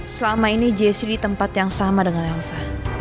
selama ini jessy di tempat yang sama dengan elsa